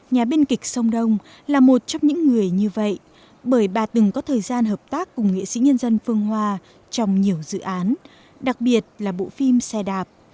nhà biên kịch sông đông là một trong những người như vậy bởi bà từng có thời gian hợp tác cùng nghệ sĩ nhân dân phương hoa trong nhiều dự án đặc biệt là bộ phim xe đạp